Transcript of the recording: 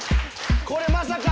これまさか！